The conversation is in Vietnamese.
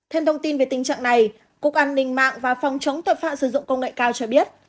thêm thông tin về tình trạng này cục an ninh mạng và phòng chống tội phạm sử dụng công nghệ cao cho biết